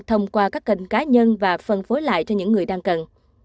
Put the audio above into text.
thông qua các kênh cá nhân và phân phối lại cho những người đang cần